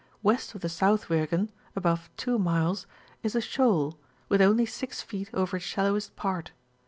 West of the South Wirgen, above 2 miles, is a shoalf with only 6 feet over its shallowest part.